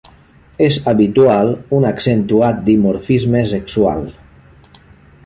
És habitual un accentuat dimorfisme sexual.